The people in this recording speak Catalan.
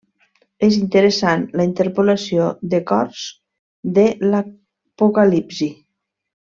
És interessant la interpolació de cors de l'Apocalipsi.